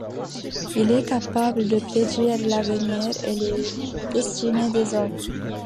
Il est capable de prédire l'avenir et les destinées des autres.